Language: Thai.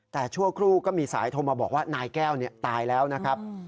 แต่ชั่วครู่ก็มีสายโทรมาบอกว่านายแก้วตายแล้วนะครับ